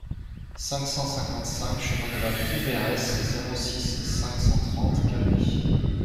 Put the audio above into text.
cinq cent cinquante-cinq chemin de la Prouveiresse, zéro six, cinq cent trente, Cabris